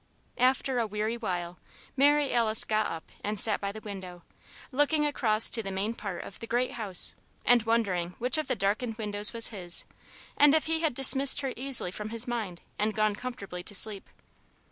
... After a weary while, Mary Alice got up and sat by the window, looking across to the main part of the great house and wondering which of the darkened windows was his and if he had dismissed her easily from his mind and gone comfortably to sleep.